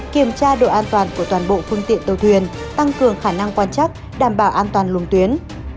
kiểm tra độ an toàn của toàn bộ phương tiện tàu thuyền tăng cường khả năng quan chắc đảm bảo an toàn luồng tuyến